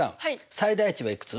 最大値はいくつ？